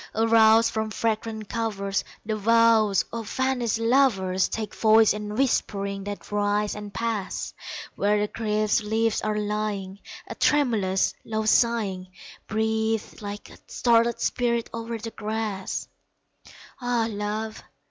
Aroused from fragrant covers, The vows of vanished lovers Take voice in whisperings that rise and pass; Where the crisped leaves are lying A tremulous, low sighing Breathes like a startled spirit o'er the grass. Ah, Love!